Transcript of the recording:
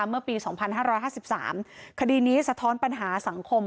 เมื่อปีสองพันห้าร้อยห้าสิบสามคดีนี้สะท้อนปัญหาสังคม